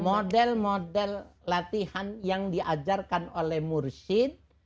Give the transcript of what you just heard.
model model latihan yang diajarkan oleh mursyid